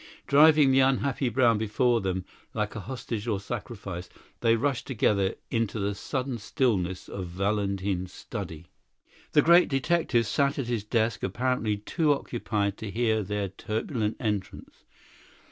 Driving the unhappy Brown before them like a hostage or sacrifice, they rushed together into the sudden stillness of Valentin's study. The great detective sat at his desk apparently too occupied to hear their turbulent entrance.